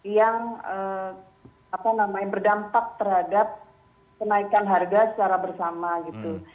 yang berdampak terhadap kenaikan harga secara bersama gitu